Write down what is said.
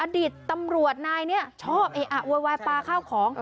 อดีตตำรวจนายเนี่ยชอบไอ้อ่ะววยวายปลาข้าวของ